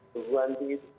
tentu anjing itu